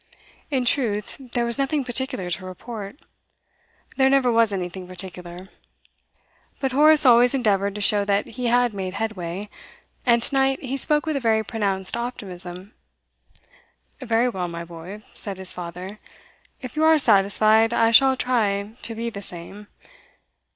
In truth, there was nothing particular to report; there never was anything particular; but Horace always endeavoured to show that he had made headway, and to night he spoke with a very pronounced optimism. 'Very well, my boy,' said his father. 'If you are satisfied, I shall try to be the same.